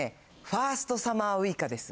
ファーストサマーウイカです。